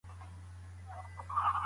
عاجزي او خاکساري غوره کړئ.